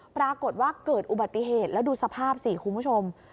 ปรากฏว่าเกิดอุบัติเหตุแล้วดูสภาพสิคุณผู้ชม